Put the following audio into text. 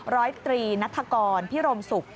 ร้อยตรีนัฐกรพิรมศุกร์